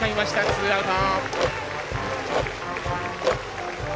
ツーアウト。